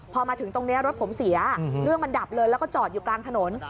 พอมาถึงตรงนี้รถผมเสียเรื่องมันดับเลยแล้วก็จอดอยู่กลางถนน